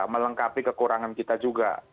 melengkapi kekurangan kita juga